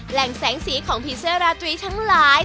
แหล่งแสงสีของพิเศษราตุีทั้งหลาย